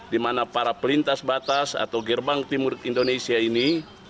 di mana para pelintas batas atau gerbang timur indonesia ini